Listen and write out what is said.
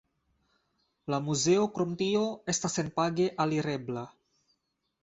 La muzeo krom tio estas senpage alirebla.